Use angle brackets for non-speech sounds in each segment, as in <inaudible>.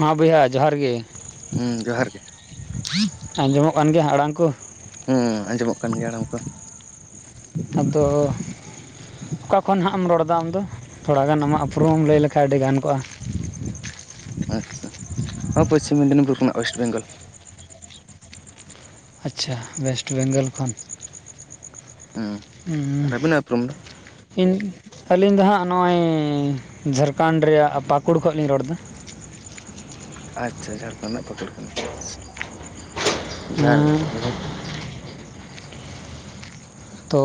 ᱦᱮᱸ ᱵᱚᱭᱦᱟ ᱡᱚᱦᱟᱨ ᱜᱮ ᱦᱩᱸ ᱡᱚᱦᱟᱨ ᱜᱮ ᱟᱸᱡᱚᱢᱚᱜ ᱠᱟᱱ ᱜᱮᱭᱟ ᱟᱲᱟᱝ ᱠᱚ ᱦᱮᱸ ᱦᱮᱸ ᱟᱸᱡᱚᱢᱚᱜ ᱠᱟᱱ ᱜᱮᱭᱟ ᱟᱲᱟᱝ ᱠᱚ ᱟᱫᱚᱻ ᱚᱠᱟ ᱠᱷᱚᱱ ᱦᱟᱸᱜ ᱮᱢ ᱨᱚᱲᱫᱟ ᱟᱢ ᱫᱚ ᱛᱷᱚᱲᱟ ᱜᱟᱱ ᱟᱢᱟᱜ ᱩᱯᱨᱩᱢᱮᱢ ᱞᱟᱹᱭ ᱞᱮᱠᱷᱟᱱ ᱟᱹᱰᱤ ᱜᱟᱱ ᱠᱚᱜᱼᱟ ᱟᱪᱪᱷᱟ ᱦᱚᱸ ᱯᱚᱥᱪᱷᱤᱢ ᱢᱮᱫᱽᱱᱤᱯᱩᱨ ᱠᱷᱚᱱᱟᱜ ᱚᱭᱮᱥᱴ ᱵᱮᱝᱜᱚᱞ ᱟᱪᱪᱷᱟ ᱚᱭᱮᱥᱴ ᱵᱮᱝᱜᱚᱞ ᱠᱷᱚᱱ ᱦᱩᱸ ᱦᱮᱸ ᱟᱨ ᱟᱹᱵᱤᱱᱟᱜ ᱩᱯᱨᱩᱢ ᱫᱚ ᱤᱧ ᱟᱹᱞᱤᱧ ᱫᱚ ᱦᱟᱸᱜ ᱱᱚᱜᱼᱚᱭ ᱡᱷᱟᱨᱠᱷᱟᱸᱰ ᱨᱮᱭᱟᱜ ᱯᱟᱠᱩᱲ ᱠᱷᱚᱱ ᱞᱤᱧ ᱨᱚᱲ ᱮᱫᱟ᱾ ᱟᱪᱪᱷᱟ ᱡᱷᱟᱨᱠᱷᱚᱸᱰ ᱨᱮᱱᱟᱜ ᱯᱟᱹᱠᱩᱲ ᱠᱷᱚᱱ ᱟᱪᱪᱷᱟ ᱡᱚᱦᱟᱨ ᱜᱮ <unintelligible> ᱛᱚ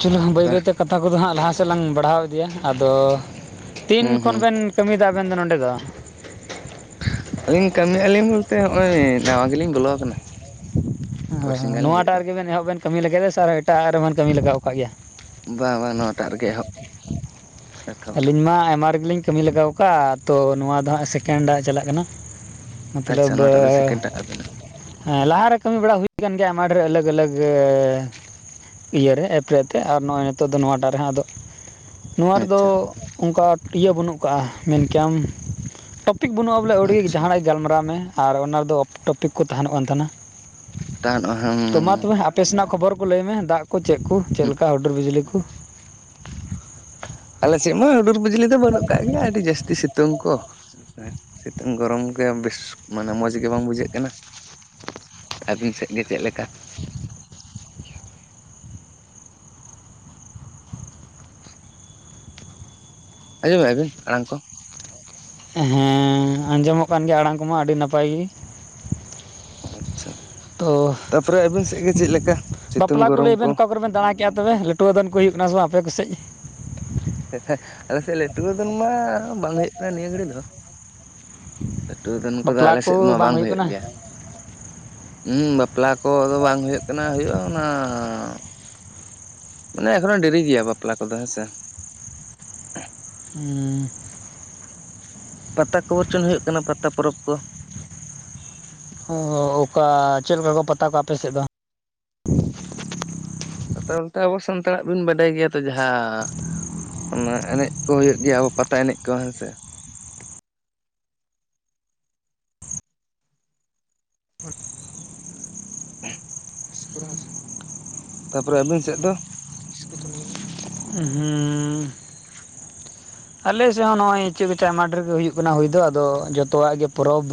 ᱪᱚᱞᱚ ᱵᱟᱹᱭ ᱵᱟᱹᱭ ᱛᱮ ᱠᱟᱛᱷᱟ ᱠᱚ ᱫᱚ ᱦᱟᱸᱜ ᱞᱟᱦᱟ ᱥᱮᱫ ᱞᱟᱝ ᱵᱟᱲᱦᱟᱣ ᱤᱫᱤᱭᱟ ᱟᱫᱚ ᱛᱤᱱ ᱦᱩᱸ ᱠᱷᱚᱱ ᱦᱩᱸ ᱵᱮᱱ ᱠᱟᱹᱢᱤ ᱮᱫᱟ ᱟᱵᱮᱱ ᱫᱚ ᱱᱚᱰᱮ ᱫᱚ ᱟᱹᱞᱤᱧ ᱠᱟᱹᱢᱤ ᱮ ᱟᱹᱞᱤᱧ ᱵᱚᱞᱛᱮ ᱱᱚᱜᱼᱚᱭ ᱱᱟᱣᱟ ᱜᱮᱞᱤᱧ ᱵᱚᱞᱚ ᱟᱠᱟᱱᱟ ᱵᱟᱨᱥᱤᱧ <unintelligible> ᱜᱟᱱ ᱞᱤᱧ ᱦᱩᱭᱩᱜ ᱱᱚᱣᱟᱴᱟᱜ ᱠᱟᱱᱟ ᱨᱮᱜᱮ ᱵᱮᱱ ᱮᱦᱚᱵ ᱵᱮᱱ ᱠᱟᱹᱢᱤ ᱞᱟᱹᱜᱤᱫ ᱥᱮ ᱟᱨ ᱮᱴᱟᱜ ᱨᱮᱵᱮᱱ ᱠᱟᱹᱢᱤ ᱞᱟᱜᱟᱣ ᱟᱠᱟᱫ ᱜᱮᱭᱟ ᱵᱟᱝ ᱵᱟᱝ ᱱᱚᱣᱟᱴᱟᱜ ᱨᱮᱜᱮ ᱮᱦᱚᱵ ᱮᱛᱚᱦᱚᱵ ᱫᱚ ᱟᱹᱞᱤᱧ ᱢᱟ ᱟᱭᱢᱟ ᱨᱮᱜᱮ ᱞᱤᱧ ᱠᱟᱹᱢᱤ ᱞᱟᱜᱟᱣ ᱟᱠᱟᱫᱟ ᱛᱳ ᱱᱚᱣᱟ ᱫᱚ ᱦᱟᱸᱜ ᱥᱮᱠᱮᱱᱰᱟᱜ ᱪᱟᱞᱟᱜ ᱠᱟᱱᱟ ᱢᱟᱹᱛᱞᱚᱵᱽ ᱟᱪᱪᱷᱟ ᱱᱚᱣᱟᱴᱟᱜ ᱫᱚ ᱥᱮᱠᱮᱱᱰ ᱴᱟᱜ ᱟᱵᱤᱱᱟᱜ ᱦᱮᱸ ᱞᱟᱦᱟᱨᱮ ᱠᱟᱹᱢᱤ ᱵᱟᱲᱟ ᱦᱩᱭ ᱟᱠᱟᱱ ᱜᱮᱭᱟ ᱟᱭᱢᱟ ᱰᱷᱮᱨ ᱟᱞᱟᱜᱽ ᱟᱞᱟᱜᱽᱻ ᱤᱭᱟᱹ ᱨᱮ ᱮᱯ ᱨᱮ ᱛᱮ ᱟᱨ ᱱᱚᱜᱼᱚᱭ ᱱᱤᱛᱚᱜ ᱫᱚ ᱱᱚᱣᱟᱴᱟᱜ ᱨᱮ ᱦᱟᱸᱜ ᱟᱫᱚ ᱨᱮ ᱟᱪᱪᱷᱟ ᱫᱚ ᱚᱱᱠᱟ ᱤᱭᱟᱹ ᱵᱟᱹᱱᱩᱜ ᱟᱠᱟᱜᱼᱟ ᱢᱮᱱ ᱠᱮᱭᱟᱢ ᱴᱚᱯᱤᱠ ᱵᱟᱹᱱᱩᱜᱼᱟ ᱵᱚᱞᱮ ᱟᱹᱣᱲᱤ ᱜᱮ ᱟᱪᱪᱷᱟ ᱡᱟᱦᱟᱱᱟᱜ ᱜᱟᱞᱢᱟᱨᱟᱣ ᱢᱮ ᱟᱨ ᱚᱱᱟ ᱨᱮᱫᱚ ᱚᱯ ᱴᱚᱯᱤᱠ ᱠᱚ ᱛᱟᱦᱮᱱᱚᱜ ᱠᱟᱱ ᱛᱟᱦᱮᱱᱟ ᱛᱟᱦᱚᱞᱮ ᱦᱩᱸ ᱛᱚ ᱢᱟ ᱛᱚᱵᱮ ᱟᱯᱮ ᱥᱮᱱᱟᱜ ᱠᱷᱚᱵᱚᱨ ᱠᱚ ᱞᱟᱹᱭ ᱢᱮ ᱫᱟᱜ ᱠᱚ ᱪᱮᱫ ᱠᱚ ᱪᱮᱫ ᱦᱩᱸ ᱞᱮᱠᱟ ᱦᱩᱰᱩᱨ ᱵᱤᱡᱽᱞᱤ <unintelligible> ᱟᱞᱮ ᱥᱮᱫ ᱢᱟ ᱦᱩᱰᱩᱨ ᱵᱤᱡᱽᱞᱤ ᱫᱚ ᱵᱟᱹᱱᱩᱜ ᱠᱟᱜ ᱜᱮᱭᱟ ᱟᱹᱰᱤ ᱡᱟᱹᱥᱛᱤ ᱥᱤᱛ ᱥᱤᱛᱩᱝ ᱠᱚ ᱥᱤᱛᱩᱝ ᱜᱚᱨᱚᱢ ᱜᱮ ᱵᱮᱥ ᱢᱟᱱᱮ ᱢᱚᱸᱡᱽ ᱜᱮ ᱵᱟᱝ ᱵᱩᱡᱷᱟᱹᱜ ᱠᱟᱱᱟ ᱟᱹᱵᱤᱱ ᱥᱮᱫ ᱜᱮ ᱪᱮᱫ ᱞᱮᱠᱟ ᱟᱸᱡᱚᱢ ᱮᱫ ᱟᱹᱵᱤᱱ ᱟᱲᱟᱝ ᱠᱚ ᱦᱮᱸ ᱟᱸᱡᱚᱢᱚᱜ ᱠᱟᱱ ᱜᱮᱭᱟ ᱟᱲᱟᱝ ᱠᱚᱢᱟ ᱟᱹᱰᱤ ᱱᱟᱯᱟᱭ ᱜᱮ ᱟᱪᱪᱷᱟ ᱛᱚ ᱛᱟᱯᱚᱨᱮ ᱟᱹᱵᱤᱱ ᱥᱮᱫ ᱜᱮ ᱪᱮᱫ ᱞᱮᱠᱟ ᱥᱤᱛᱩᱝ ᱜᱚᱨᱚᱢ ᱠᱚ ᱯᱩᱨᱟᱹ ᱵᱮᱱ ᱫᱟᱬᱟᱠᱮᱫᱼᱟ ᱛᱚᱵᱮ ᱱᱟᱹᱴᱣᱟᱹ ᱫᱚᱱ ᱠᱚ ᱦᱩᱭᱩᱜ ᱠᱟᱱᱟ ᱥᱮ ᱵᱟᱝ ᱟᱯᱮ ᱠᱚ ᱥᱮᱡ <unintelligible> ᱟᱞᱮ ᱥᱮᱡ ᱞᱟᱹᱴᱣᱟᱹ ᱫᱚᱱ ᱢᱟ ᱵᱟᱝ ᱦᱩᱭᱩᱜ ᱠᱟᱱᱟ ᱱᱤᱭᱟᱹ ᱜᱷᱟᱹᱲᱤ ᱫᱚ ᱞᱟᱹᱴᱣᱟᱹ ᱫᱚᱱ ᱠᱚᱫᱚ ᱵᱟᱯᱞᱟ ᱟᱞᱮ ᱥᱮᱫ ᱠᱚ ᱢᱟ ᱵᱟᱝ ᱦᱩᱭᱩᱜ ᱠᱟᱱᱟ ᱜᱮᱭᱟ᱾ ᱦᱩᱸ ᱵᱟᱯᱞᱟ ᱠᱚ ᱫᱚ ᱵᱟᱝ ᱦᱩᱭᱩᱜ ᱠᱟᱱᱟ ᱦᱩᱭᱩᱜᱼᱟ ᱚᱱᱟ ᱢᱟᱱᱮ ᱮᱠᱷᱚᱱᱚᱜ ᱰᱮᱨᱤ ᱜᱮᱭᱟ ᱵᱟᱯᱞᱟ ᱠᱚ ᱫᱚ ᱦᱮᱸ ᱥᱮ ᱦᱮᱸ ᱯᱟᱛᱟ ᱠᱚ ᱵᱚᱨᱪᱚᱱ ᱦᱩᱭᱩᱜ ᱠᱟᱱᱟ ᱯᱟᱛᱟ ᱯᱚᱨᱚᱵᱽ ᱠᱚ ᱦᱚᱸ ᱚᱠᱟ ᱪᱮᱫ ᱞᱮᱠᱟ ᱠᱚ ᱯᱟᱛᱟ ᱠᱚᱣᱟ ᱟᱯᱮ ᱥᱮᱫ ᱫᱚ ᱱᱚᱛᱮ ᱚᱱᱛᱮ ᱟᱵᱚ ᱥᱟᱱᱛᱟᱲᱟᱜ ᱵᱤᱱ ᱵᱟᱰᱟᱭ ᱜᱮᱭᱟ ᱛᱚ ᱡᱟᱦᱟᱸ ᱚᱱᱟ ᱮᱱᱮᱡ ᱠᱚ ᱦᱩᱭᱩᱜ ᱜᱮᱭᱟ ᱟᱵᱚ ᱯᱟᱛᱟ ᱮᱱᱮᱡ ᱠᱚ ᱦᱮᱸ ᱥᱮ <inaudible> <inaudible> ᱛᱟᱯᱚᱨᱮ ᱟᱹᱵᱤᱱ ᱥᱮᱫ ᱫᱚ ᱦᱮᱸ ᱟᱞᱮᱥᱮᱫ ᱦᱚᱸ ᱱᱚᱜᱼᱚᱭ ᱤᱪᱟᱹᱜ ᱞᱮᱠᱟ ᱟᱭᱢᱟ ᱰᱷᱮᱨ ᱜᱮ ᱦᱩᱭᱩᱜ ᱠᱟᱱᱟ ᱦᱩᱭ ᱫᱚ ᱟᱫᱚ ᱡᱚᱛᱚᱣᱟᱜ ᱜᱮ ᱯᱚᱨᱚᱵᱽ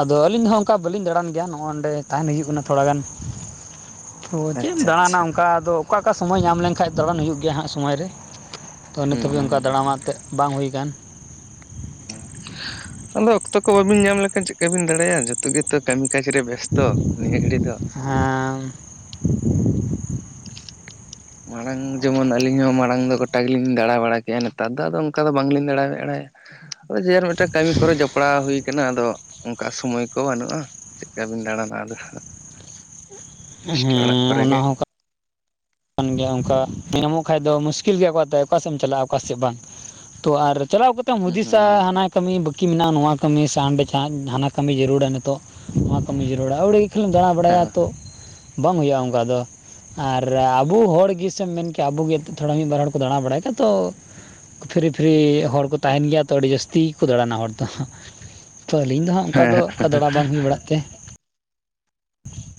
ᱟᱫᱚ ᱟᱹᱞᱤᱧ ᱦᱚᱸ ᱚᱱᱠᱟ ᱵᱟᱹᱞᱤᱧ ᱫᱟᱬᱟᱱ ᱜᱮᱭᱟ ᱱᱚᱜᱼᱚᱭ ᱱᱚᱸᱰᱮ ᱛᱟᱦᱮᱱ ᱦᱩᱭᱩᱜ ᱠᱟᱱᱟ ᱛᱷᱚᱲᱟ ᱜᱟᱱ ᱚ ᱪᱮᱫ ᱮᱢ ᱟᱪᱪᱷᱟ ᱫᱟᱬᱟᱱᱟ ᱟᱪᱪᱷᱟ ᱚᱱᱠᱟ ᱟᱫᱚ ᱚᱠᱟ ᱚᱠᱟ ᱥᱚᱢᱚᱭ ᱧᱟᱢ ᱞᱮᱱᱠᱷᱟᱡ ᱫᱟᱬᱟᱱ ᱦᱩᱭᱩᱜ ᱜᱮᱭᱟ ᱦᱟᱸᱜ ᱥᱚᱢᱚᱭ ᱨᱮ ᱛᱚ ᱱᱤᱛ ᱦᱩᱸ ᱦᱟᱹᱵᱤᱡ ᱦᱩᱸ ᱚᱱᱠᱟ ᱦᱩᱸ ᱫᱟᱬᱟ ᱮᱱᱛᱮᱫ ᱵᱟᱝ ᱦᱩᱭ ᱟᱠᱟᱱ ᱟᱫᱚ ᱚᱠᱛᱚ ᱠᱚ ᱵᱟᱹᱵᱤᱱ ᱧᱟᱢ ᱞᱮᱠᱷᱟᱱ ᱪᱤᱠᱟᱹ ᱵᱤᱱ ᱫᱟᱬᱟᱭᱟ ᱡᱚᱛᱚ ᱜᱮ ᱛᱚ ᱠᱟᱹᱢᱤ ᱠᱟᱡᱽ ᱨᱮ ᱵᱮᱥᱛᱚ ᱱᱤᱭᱟᱹ ᱜᱷᱟᱹᱲᱤᱡ ᱫᱚ ᱦᱮᱸ ᱢᱟᱲᱟᱝ ᱡᱮᱢᱚᱱ ᱟᱹᱞᱤᱧ ᱦᱚᱸ ᱢᱟᱲᱟᱝ ᱫᱚ ᱜᱚᱴᱟ ᱜᱮᱞᱤᱧ ᱫᱟᱬᱟ ᱵᱟᱲᱟ ᱠᱮᱭᱟ ᱱᱮᱛᱟᱨ ᱫᱚ ᱟᱫᱚ ᱚᱱᱠᱟ ᱫᱚ ᱵᱟᱝᱞᱤᱧ ᱫᱟᱬᱟ ᱵᱟᱲᱟᱭᱟ ᱚ ᱡᱮ ᱟᱨ ᱢᱤᱫᱴᱟᱝ ᱠᱟᱹᱢᱤ ᱠᱚᱨᱮ ᱡᱚᱯᱲᱟᱣ ᱦᱩᱭ ᱠᱟᱱᱟ ᱟᱫᱚ ᱚᱱᱠᱟ ᱥᱚᱢᱚᱭ ᱠᱚ ᱵᱟᱹᱱᱩᱜᱼᱟ᱾ ᱪᱮᱞᱠᱟ ᱵᱤᱱ ᱫᱟᱬᱟᱱᱟ ᱟᱫᱚ ᱦᱮᱸ ᱡᱟᱥᱴ ᱚᱲᱟᱜ ᱠᱚᱨᱮ ᱚᱱᱟ ᱜᱮ ᱦᱚᱸ ᱠᱟᱱ ᱜᱮᱭᱟ ᱚᱱᱠᱟ ᱧᱟᱢᱚᱜ ᱠᱷᱟᱡ ᱫᱚ ᱢᱩᱥᱠᱤᱞ ᱜᱮᱭᱟ ᱛᱚ ᱚᱠᱟᱥᱮᱫ ᱮᱢ ᱪᱟᱞᱟᱜᱼᱟ ᱚᱠᱟᱥᱮᱫ ᱵᱟᱝ ᱛᱚ ᱟᱨ ᱪᱟᱞᱟᱣ ᱠᱟᱛᱮᱢ ᱦᱩᱸ ᱦᱩᱸ ᱦᱩᱫᱤᱥᱟ ᱦᱩᱸ ᱦᱟᱱᱟ ᱠᱟᱹᱢᱤ ᱵᱟᱹᱠᱤ ᱢᱮᱱᱟᱜᱼᱟ ᱱᱚᱣᱟ ᱠᱟᱹᱢᱤ <unintelligible> ᱫᱷᱟᱱᱟ ᱠᱟᱹᱢᱤ ᱡᱟᱹᱨᱩᱲᱟ ᱱᱤᱛᱚᱜ ᱱᱚᱣᱟ ᱠᱟᱹᱢᱤ ᱡᱟᱹᱨᱩᱲᱟ ᱟᱹᱣᱲᱤ ᱛᱤᱱᱟᱹᱜ ᱮᱢ ᱫᱟᱬᱟ ᱵᱟᱲᱟᱭᱟ ᱛᱚ ᱵᱟᱝ ᱦᱩᱭᱩᱜᱼᱟ ᱚᱱᱠᱟ ᱫᱚ ᱟᱨ ᱨᱮ ᱟᱵᱚ ᱦᱚᱲ ᱜᱮ ᱥᱮᱢ ᱢᱮᱱ ᱠᱮᱭᱟ ᱟᱵᱚ ᱜᱮ ᱛᱷᱚᱲᱟ ᱢᱤᱫ ᱵᱟᱨ ᱦᱚᱲ ᱠᱚ ᱫᱟᱬᱟ ᱵᱟᱲᱟᱭ ᱠᱷᱟᱭ ᱛᱚ ᱯᱷᱤᱨᱤ ᱯᱷᱤᱨᱤ ᱦᱚᱲ ᱠᱚ ᱛᱟᱦᱮᱱ ᱜᱮᱭᱟ ᱛᱚ ᱟᱹᱰᱤ ᱡᱟᱹᱥᱛᱤ ᱠᱚ ᱫᱟᱬᱟᱱᱟ ᱦᱚᱲ ᱫᱚ ᱛᱚ ᱟᱹᱞᱤᱧ ᱫᱚ ᱦᱟᱸᱜ ᱚᱱᱠᱟ ᱫᱚ ᱦᱮᱸ ᱚᱱᱠᱟ ᱫᱟᱬᱟ ᱵᱟᱝ ᱦᱩᱭ ᱵᱟᱲᱟᱜ ᱛᱮ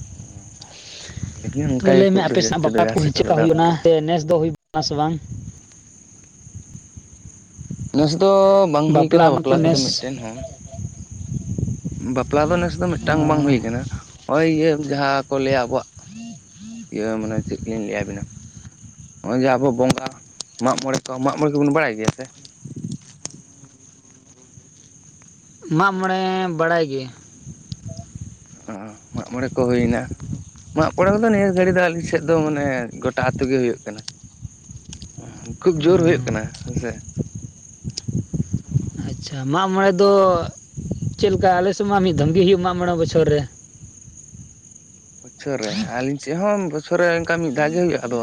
<unintelligible> ᱦᱚᱸ ᱛᱚ ᱚᱱᱠᱟ ᱜᱮ ᱞᱟᱹᱭᱢᱮ ᱠᱷᱩᱵ ᱫᱚ ᱟᱯᱮ ᱥᱮᱱᱟᱜ ᱡᱟᱹᱥᱛᱤ ᱫᱚ ᱵᱟᱯᱞᱟ ᱡᱟᱦᱟᱸ ᱥᱮᱫ ᱠᱚᱦᱚᱸ ᱠᱚᱫᱚ ᱪᱮᱫᱞᱮᱠᱟ ᱫᱟᱬᱟᱱ ᱦᱩᱭᱮᱱᱟ ᱠᱚ ᱥᱮ ᱱᱮᱥ ᱫᱚ ᱦᱩᱭ <unintelligible> ᱵᱟᱝ ᱱᱮᱥ ᱫᱚ ᱵᱟᱝ ᱦᱩᱭ ᱠᱟᱱᱟ ᱵᱟᱯᱞᱟ ᱢᱟᱠᱚ ᱠᱚᱫᱚ ᱱᱮᱥ ᱢᱤᱫᱴᱮᱱ ᱦᱚᱸ ᱵᱟᱯᱞᱟ ᱫᱚ ᱱᱮᱥ ᱫᱚ ᱢᱤᱫᱴᱟᱝ ᱦᱚᱸ ᱵᱟᱝ ᱦᱩᱭ ᱟᱠᱟᱱᱟ ᱱᱚᱜᱼᱚᱭ ᱤᱭᱟᱹ ᱡᱟᱦᱟᱸ ᱠᱚ ᱞᱟᱹᱭᱟ ᱟᱵᱚᱣᱟᱜ <inaudible> ᱤᱭᱟᱹ ᱢᱟᱱᱮ ᱪᱮᱫ ᱞᱤᱠᱟᱹᱧ ᱞᱟᱹᱭ ᱟᱹᱵᱤᱱᱟ ᱱᱚᱜᱼᱚᱭ ᱡᱮ ᱟᱵᱚᱣᱟᱜ ᱵᱚᱸᱜᱟ ᱢᱟᱜ ᱢᱚᱬᱮ ᱠᱚ ᱢᱟᱜ ᱢᱚᱬᱮ ᱠᱚᱵᱚᱱ ᱵᱟᱲᱟᱭ ᱜᱮᱭᱟ ᱥᱮ ᱢᱟᱜ ᱢᱚᱬᱮ ᱵᱟᱲᱟᱭ ᱜᱮ <unintelligible> ᱢᱟᱜ ᱢᱚᱬᱮ ᱠᱚ ᱦᱩᱭᱮᱱᱟ ᱢᱟᱜ ᱢᱚᱬᱮ ᱠᱚᱫᱚ ᱱᱤᱭᱟᱹ ᱜᱷᱟᱹᱲᱤ ᱫᱚ ᱟᱞᱤᱧ ᱥᱮᱫ ᱫᱚ ᱢᱟᱱᱮ ᱜᱚᱴᱟ ᱟᱹᱛᱩ ᱜᱮ ᱦᱩᱭᱩᱜ ᱠᱟᱱᱟ ᱠᱷᱩᱵ ᱡᱳᱨ ᱦᱩᱭᱩᱜ ᱠᱟᱱᱟ, ᱦᱮᱸᱥᱮ ᱟᱪᱪᱷᱟ ᱢᱟᱜ ᱢᱚᱬᱮ ᱫᱚ ᱪᱮᱫ ᱞᱮᱠᱟ ᱟᱞᱮᱥᱮᱫ ᱢᱟ ᱢᱤᱫ ᱫᱷᱚᱢᱜᱮ ᱦᱩᱭᱩᱜ ᱢᱟᱜ ᱢᱚᱬᱮ ᱵᱚᱪᱷᱚᱨ ᱨᱮ ᱵᱚᱪᱷᱚᱨ ᱨᱮ ᱟᱹᱞᱤᱧ ᱥᱮᱫ ᱦᱚᱸ ᱵᱚᱪᱷᱚᱨ ᱨᱮ ᱚᱱᱠᱟ ᱢᱤᱫ ᱫᱷᱟᱣ ᱜᱮ ᱦᱩᱭᱩᱜᱼᱟ ᱟᱫᱚ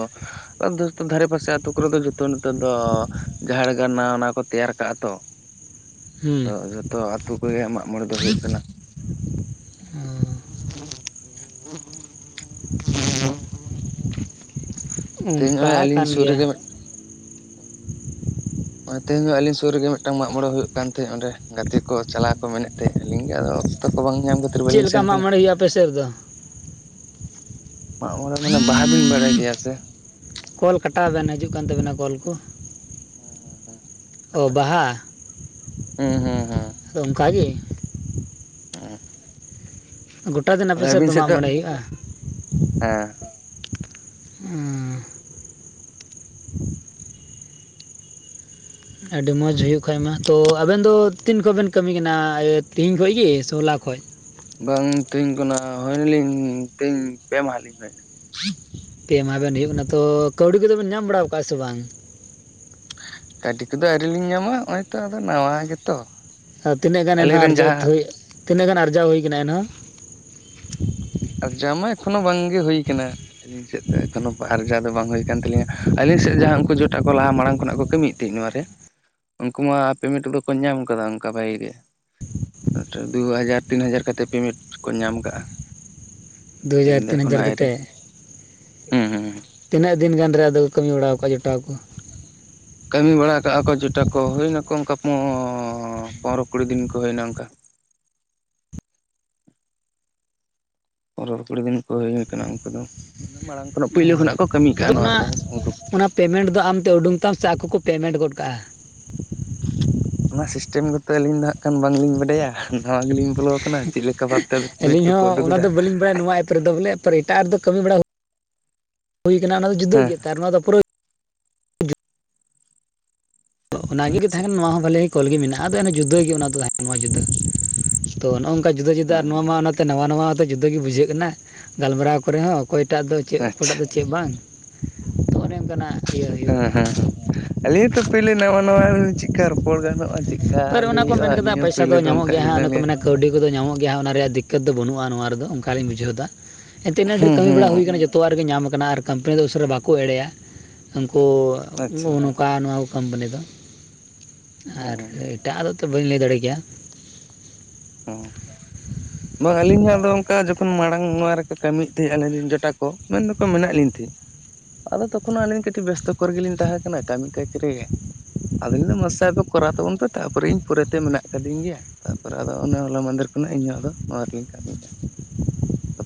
<unintelligible> ᱫᱷᱟᱨᱮ ᱯᱟᱥᱮ ᱟᱹᱛᱳ ᱠᱚᱨᱮ ᱫᱚ ᱡᱚᱛᱚ ᱱᱤᱛᱚᱜ ᱫᱚ ᱡᱟᱦᱮᱨ ᱜᱟᱲ ᱱᱟᱣᱟ ᱱᱟᱣᱟ ᱠᱚ ᱛᱮᱭᱟᱨ ᱠᱟᱜᱼᱟ ᱛᱚ ᱟᱫᱚ ᱦᱩᱸ, ᱡᱷᱚᱛᱚ ᱟᱛᱳ ᱠᱚᱨᱮᱜᱮ ᱢᱟᱜ ᱢᱚᱬᱮ ᱫᱚ ᱦᱩᱭᱩᱜ ᱠᱟᱱᱟ ᱚ <unintelligible> ᱛᱮᱦᱮᱧ ᱚᱱᱠᱟ ᱱᱚᱜᱼᱚᱭ ᱟᱹᱞᱤᱧ ᱠᱟᱱ ᱥᱩᱨ ᱜᱮᱭᱟ ᱨᱮᱜᱮ ᱦᱮ ᱛᱮᱦᱮᱧ ᱟᱹᱞᱤᱧ ᱥᱩᱨ ᱨᱮᱜᱮ ᱢᱤᱫᱴᱟᱝ ᱢᱟᱜ ᱢᱚᱬᱮ ᱦᱩᱭᱩᱜ ᱠᱟᱱ ᱛᱟᱦᱮᱸᱫ ᱚᱸᱰᱮ ᱜᱟᱛᱮ ᱠᱚ ᱪᱟᱞᱟᱣ ᱠᱚ ᱢᱮᱱᱮᱫ ᱛᱟᱦᱮᱸᱫ, ᱟᱹᱞᱤᱧ ᱜᱮ ᱟᱫᱚ ᱚᱠᱛᱚ ᱠᱚ ᱵᱟᱝ ᱧᱟᱢ ᱠᱷᱟᱹᱛᱤᱨ ᱪᱮᱫ ᱵᱟᱹᱞᱤᱧ ᱞᱮᱠᱟ ᱥᱮᱱ ᱢᱟᱜ ᱠᱟᱱᱟ ᱢᱚᱬᱮ ᱦᱩᱭᱩᱜᱼᱟ ᱟᱯᱮ ᱥᱮᱫ ᱨᱮᱫᱚ ᱢᱟᱜ ᱢᱚᱬᱮ ᱨᱮᱭᱟᱜ ᱵᱟᱦᱟ ᱵᱤᱱ ᱵᱟᱲᱟᱭ ᱜᱮᱭᱟ ᱥᱮ ᱠᱚᱞ ᱠᱟᱴᱟᱣ ᱵᱮᱱ ᱦᱟᱡᱩᱜ ᱠᱟᱱ ᱛᱟᱵᱮᱱᱟ ᱠᱚᱞ ᱠᱚ ᱚ ᱵᱟᱦᱟ ᱦᱩᱸ ᱦᱩᱸ ᱦᱩᱸ ᱚᱝᱠᱟᱜᱮ ᱦᱚᱹ ᱜᱚᱴᱟ ᱫᱤᱱ ᱟᱯᱮ ᱥᱮᱫ ᱫᱚ ᱢᱟᱜ ᱢᱚᱬᱮ ᱦᱩᱭᱩᱜᱼᱟ ᱦᱮᱸ ᱚ ᱟᱹᱰᱤ ᱢᱚᱡᱽ ᱦᱩᱭᱩᱜ ᱠᱷᱟᱡ ᱢᱟ ᱛᱚ ᱟᱵᱮᱱ ᱫᱚ ᱛᱤᱱ ᱠᱷᱚᱱ ᱵᱮᱱ ᱠᱟᱹᱢᱤ ᱠᱟᱱᱟ ᱛᱤᱦᱤᱧ ᱠᱷᱚᱱ ᱜᱮ ᱥᱮ ᱦᱚᱞᱟ ᱠᱷᱚᱡ ᱵᱟᱝ ᱛᱮᱦᱮᱧ ᱠᱷᱚᱱᱟᱜ ᱦᱩᱭᱱᱟᱞᱤᱧ ᱛᱮᱦᱤᱧ ᱯᱮ ᱢᱟᱦᱟ ᱞᱤᱧ ᱦᱩᱭᱮᱱᱟ ᱯᱮ ᱢᱟᱦᱟ ᱵᱮᱱ ᱦᱩᱭᱩᱜ ᱠᱟᱱᱟ ᱛᱚ ᱠᱟᱹᱣᱰᱤ ᱠᱚᱫᱚ ᱵᱮᱱ ᱧᱟᱢ ᱵᱟᱲᱟ ᱟᱠᱟᱫᱼᱟ ᱥᱮ ᱵᱟᱝ ᱠᱟᱹᱣᱰᱤ ᱠᱚᱫᱚ ᱟᱹᱣᱨᱤ ᱞᱤᱧ ᱧᱟᱢᱟ ᱱᱚᱜᱼᱚᱭ ᱛᱚ ᱟᱫᱚ ᱱᱟᱣᱟ ᱜᱮᱛᱚ ᱦᱟᱠᱩ, ᱛᱤᱱᱟᱹᱜ ᱜᱟᱱ ᱟᱹᱞᱤᱧ ᱮᱱᱦᱚᱸ ᱨᱮᱱ ᱟᱨᱡᱟᱛ ᱡᱟᱦᱟᱸ ᱦᱩᱭ ᱛᱤᱱᱟᱹᱜ ᱜᱟᱱ ᱟᱨᱡᱟᱣ ᱦᱩᱭ ᱟᱠᱟᱱᱟ ᱮᱱᱦᱚᱸ ᱟᱨᱡᱟᱣ ᱢᱟ ᱮᱠᱷᱚᱱᱳ ᱵᱟᱝᱜᱮ ᱦᱩᱭ ᱟᱠᱟᱱᱟ ᱟᱹᱞᱤᱧ ᱥᱮᱫ ᱫᱚ ᱮᱠᱷᱚᱱᱳ ᱟᱨ ᱟᱨᱡᱟᱣ ᱫᱚ ᱵᱟᱝ ᱦᱩᱭ ᱟᱠᱟᱱ ᱛᱟᱞᱤᱧᱟ ᱟᱹᱞᱤᱧ ᱥᱮᱫ ᱡᱟᱦᱟᱸ ᱩᱱᱠᱩ ᱡᱚᱴᱟᱣ ᱠᱚ ᱞᱟᱦᱟ ᱢᱟᱲᱟᱝ ᱠᱷᱚᱱᱟᱜ ᱠᱚ ᱠᱟᱹᱢᱮᱭᱮᱜ ᱛᱟᱦᱮᱸᱜ ᱱᱚᱣᱟ ᱨᱮ ᱩᱝᱠᱩ ᱢᱟ ᱯᱮᱢᱮᱱᱴ ᱠᱚᱫᱚ ᱠᱚ ᱧᱟᱢ ᱟᱠᱟᱫᱟ ᱚᱝᱠᱟ ᱵᱷᱟᱜᱤ ᱜᱮ ᱟᱪᱷᱟ ᱫᱩ ᱦᱟᱡᱟᱨ ᱛᱤᱱ ᱦᱟᱡᱟᱨ ᱠᱟᱛᱮᱫ ᱯᱮᱢᱮᱱᱴ ᱠᱚ ᱧᱟᱢ ᱠᱟᱜᱼᱟ ᱫᱩ ᱦᱟᱡᱟᱨ ᱟᱹᱞᱤᱧ ᱫᱚ ᱛᱤᱱ ᱮᱠᱷᱚᱱᱳ ᱦᱟᱡᱟᱨ ᱟᱹᱣᱨᱤ ᱠᱟᱛᱮᱫ ᱦᱩᱸ ᱦᱩᱸ᱾ ᱛᱤᱱᱟᱹᱜ ᱫᱤᱱ ᱜᱟᱱ ᱨᱮ ᱟᱫᱚ ᱠᱟᱹᱢᱤ ᱵᱟᱲᱟᱣ ᱠᱟᱜᱼᱟ ᱡᱚᱴᱟᱣ ᱠᱚ ᱠᱟᱹᱢᱤ ᱵᱟᱲᱟ ᱠᱟᱜᱼᱟ ᱠᱚ ᱡᱚᱴᱟ ᱠᱚ ᱦᱩᱭᱱᱟᱠᱚ ᱚᱱᱠᱟ ᱯᱚᱸᱻ ᱯᱚᱱᱨᱚ ᱠᱩᱲᱤ ᱫᱤᱱ ᱠᱚ ᱦᱩᱭᱱᱟ ᱚᱝᱠᱟ ᱯᱚᱱᱨᱚ ᱠᱩᱲᱤ ᱫᱤᱱ ᱠᱚ ᱦᱩᱭ ᱠᱟᱱᱟ ᱩᱱᱝᱠᱩ ᱫᱚ ᱢᱟᱲᱟᱝ ᱠᱷᱚᱱᱟᱜ ᱚ ᱯᱳᱭᱞᱳ ᱠᱷᱚᱱᱟᱜ ᱠᱚ ᱠᱟᱹᱢᱤ ᱛᱮᱦᱮᱜᱼᱟ ᱱᱚᱣᱟ ᱨᱮᱫᱚ ᱦᱮᱸᱥᱮ ᱩᱱᱠᱩ ᱯᱮᱢᱮᱴ ᱫᱚ ᱟᱢᱛᱮ ᱩᱰᱩᱝ ᱛᱟᱢ ᱥᱮ ᱟᱠᱚ ᱠᱚ ᱯᱮᱢᱮᱴ ᱜᱚᱫ ᱠᱟᱜᱼᱟ ᱚᱱᱟ ᱥᱤᱥ <unintelligible> ᱟᱹᱞᱤᱧ ᱫᱚ ᱦᱟᱸᱜ ᱠᱷᱟᱱ ᱵᱟᱝᱞᱤᱧ ᱵᱟᱰᱟᱭᱟ ᱱᱟᱣᱟ ᱜᱮᱞᱤᱧ ᱵᱚᱞᱚᱣ ᱟᱠᱟᱱᱟ ᱪᱮᱫ ᱞᱮᱠᱟ ᱵᱷᱟᱵ ᱛᱮ ᱯᱮᱸᱢᱮᱸᱴ ᱟᱹᱞᱤᱧ ᱠᱚᱠᱚ ᱦᱚᱸ ᱩᱰᱩᱠ ᱚᱱᱟ ᱫᱟ ᱫᱚ ᱵᱟᱹᱞᱤᱧ ᱵᱟᱲᱟᱭᱟ ᱱᱚᱣᱟ ᱵᱚᱞᱮ ᱮᱯ ᱮᱴᱟᱜ ᱨᱮᱫᱚ ᱠᱟᱹᱢᱤ ᱵᱟᱲᱟ ᱦᱩᱭ ᱠᱟᱱᱟ ᱚᱱᱟ ᱫᱚ ᱦᱮᱸ ᱡᱤᱫᱟᱹ ᱟᱠᱟᱱᱟ ᱚᱱᱟ ᱫᱚ ᱡᱩᱫᱟᱹ ᱜᱮ ᱮᱱᱛᱤᱫ ᱚᱱᱟᱜᱮ ᱛᱟᱦᱮ ᱟᱪᱪᱷᱟ ᱠᱟᱱᱟ ᱱᱚᱣᱟ ᱦᱚᱸ ᱵᱟᱹᱞᱤ ᱠᱚᱞ ᱜᱮ ᱢᱮᱱᱟᱜᱼᱟ ᱟᱫᱚ ᱚᱱᱮ ᱡᱩᱫᱟᱹ ᱜᱮ ᱚᱱᱟ ᱫᱚ ᱛᱟᱦᱮ ᱠᱟᱱᱟ ᱱᱚᱣᱟ ᱡᱩᱫᱟᱹ ᱛᱚ ᱱᱚᱜ-ᱚᱝᱠᱟ ᱡᱩᱫᱟᱹ ᱡᱩᱫᱟᱹ ᱟᱨ ᱦᱩᱸ ᱱᱚᱣᱟ ᱢᱟ ᱚᱱᱟ ᱛᱚᱱᱟᱣᱟ ᱱᱟᱣᱟ ᱫᱚ ᱡᱩᱫᱟᱹ ᱜᱮ ᱵᱩᱡᱷᱟᱹᱜ ᱠᱟᱱᱟ ᱜᱟᱞᱢᱟᱨᱟᱣ ᱠᱚᱨᱮ ᱦᱚᱸ ᱚᱠᱚᱭᱴᱟᱜ ᱫᱚ ᱪᱮᱫ ᱚᱠᱚᱭᱴᱟᱜ ᱟᱪᱪᱷᱟ ᱫᱚ ᱪᱮᱫ ᱵᱟᱝ ᱛᱚ ᱚᱱᱮ ᱚᱱᱠᱟᱱᱟᱜ ᱤᱭᱟᱹ ᱦᱩᱭᱩᱜᱼᱟ ᱦᱮᱸ ᱦᱮᱸ ᱦᱮᱸ ᱟᱞᱤᱧ ᱛᱚ ᱯᱳᱞᱳ ᱱᱟᱣᱟ ᱱᱟᱣᱟ ᱪᱮᱫᱠᱟ ᱨᱚᱯᱚᱲ ᱜᱟᱱᱚᱜᱼᱟ ᱪᱮᱫ ᱠᱟ ᱯᱟᱨ ᱚᱱᱟ ᱞᱟᱹᱭ ᱠᱚ ᱦᱩᱭᱩᱜᱼᱟ ᱢᱮᱱ ᱠᱮᱫᱟ ᱟᱹᱞᱤᱧ ᱦᱚᱸ ᱯᱚᱭᱥᱟ ᱯᱳᱭᱞᱳ ᱫᱚ ᱧᱟᱢᱚᱜ ᱚᱝᱠᱟ ᱜᱮᱭᱟ ᱜᱮᱞᱤᱧ ᱦᱟᱸᱜ ᱚᱱᱮ ᱠᱚ ᱞᱟᱹᱭᱟ ᱢᱮᱱᱟ ᱠᱟᱹᱣᱰᱤ ᱠᱚᱫᱚ ᱧᱟᱢᱚᱜ ᱜᱮᱭᱟ ᱚᱱᱟ ᱨᱮᱭᱟᱜ ᱫᱤᱠᱠᱟᱹᱛ ᱫᱚ ᱵᱟᱹᱱᱩᱜᱼᱟ ᱱᱚᱣᱟ ᱨᱮᱫᱚ ᱚᱱᱠᱟ ᱞᱤᱧ ᱵᱩᱡᱷᱟᱹᱣ ᱮᱫᱟ ᱮᱱᱛᱮ ᱤᱱᱟᱹᱜ ᱰᱷᱮᱨ ᱦᱩᱸ ᱠᱟᱹᱢᱤ ᱵᱟᱲᱟ ᱦᱩᱸ ᱦᱩᱭ ᱠᱟᱱᱟ ᱡᱚ ᱛᱚᱣᱟᱜ ᱨᱮᱜᱮ ᱧᱟᱢ ᱟᱠᱟᱱᱟ ᱟᱨ ᱠᱢᱯᱟᱱᱤ ᱫᱚ ᱩᱥᱟᱹᱨᱟ ᱵᱟᱠᱚ ᱮᱲᱮᱭᱟ ᱩᱱᱴᱝᱠᱩ ᱟᱪᱪᱷᱟ ᱦᱩᱸ ᱱᱚᱝᱠᱟ ᱱᱚᱣᱟ ᱠᱳᱢᱯᱟᱱᱤ ᱫᱚ ᱟᱨ ᱦᱩᱸ ᱮᱴᱟᱜ ᱟᱜ ᱫᱚ ᱛᱚ ᱵᱟᱹᱧ ᱞᱟᱹᱭ ᱫᱟᱲᱮ ᱠᱮᱭᱟ ᱚ ᱵᱟᱝ ᱟᱹᱞᱤᱧᱟᱜ ᱫᱚ ᱚᱝᱠᱟ ᱡᱚᱠᱷᱚᱱ ᱢᱟᱲᱟᱝ ᱱᱚᱣᱟ ᱨᱮᱠᱚ ᱠᱟᱹᱢᱮᱫ ᱛᱟᱦᱮᱸᱫ ᱟᱞᱤᱧ ᱨᱮᱱ ᱡᱚᱴᱟ ᱠᱚ ᱢᱮᱱ ᱫᱚᱠᱚ ᱢᱮᱱᱟᱜ ᱞᱤᱧ ᱛᱟᱦᱮᱸᱫ ᱟᱫᱚ ᱛᱚᱠᱷᱚᱱ ᱟᱹᱞᱤᱧ ᱠᱟᱹᱴᱤᱡ ᱵᱮᱥᱛᱚ ᱠᱚᱨᱮ ᱜᱮᱞᱤᱧ ᱛᱟᱦᱮᱸ ᱠᱟᱱᱟ ᱠᱟᱢᱤ ᱠᱟᱪ ᱨᱮᱜᱮ ᱟᱫᱚᱧ ᱞᱟᱹᱭ ᱫᱟ ᱢᱟ ᱥᱮ ᱠᱚᱨᱟᱣ ᱛᱟᱵᱚᱱ ᱯᱮ ᱛᱟᱨᱯᱚᱨᱮ ᱤᱧ ᱯᱚᱨᱮ ᱛᱮ ᱢᱮᱱᱟᱜ ᱟᱠᱟᱫᱤᱧ ᱜᱮᱭᱟ ᱛᱟᱨᱯᱚᱨᱮ ᱟᱫᱚ ᱚᱱᱮ ᱦᱚᱞᱟ ᱢᱟᱸᱫᱷᱮᱨ ᱠᱷᱚᱱᱟᱜ ᱤᱧᱚᱦᱚᱸ ᱟᱫᱚ ᱱᱚᱣᱟ ᱜᱤᱧ ᱠᱟᱹᱢᱤᱭᱮᱫᱼᱟ ᱾